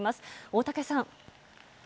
大竹さん。